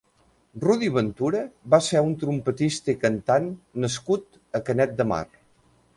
Rudy Ventura va ser un trompetista i cantant nascut a Canet de Mar.